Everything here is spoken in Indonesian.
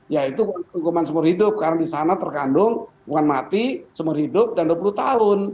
yaitu hukuman sumur hidup karena di sana terkandung hukuman mati sumur hidup dan dua puluh tahun